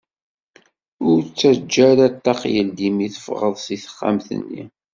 Ur ttaǧǧa ara ṭṭaq yeldi mi teffɣeḍ seg texxamt-nni.